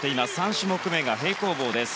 ３種目目が平行棒です。